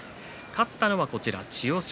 勝ったのは千代翔